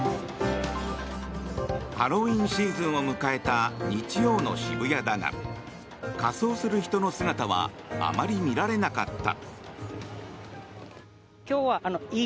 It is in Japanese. ハロウィーンシーズンを迎えた日曜の渋谷だが仮装する人の姿はあまり見られなかった。